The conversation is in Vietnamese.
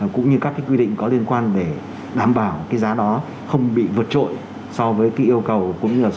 cũng như các quy định có liên quan để đảm bảo giá đó không bị vượt trộn